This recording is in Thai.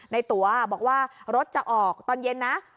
ตัวบอกว่ารถจะออกตอนเย็นนะ